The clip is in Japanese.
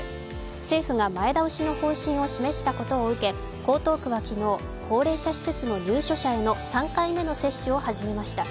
政府が前倒しの方針を示したことを受け江東区は昨日、高齢者施設の入所者への３回目の接種を始めました。